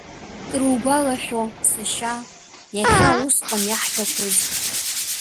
Кругәалашәо, сашьа, иахьа усҟан иаҳҳәақәоз?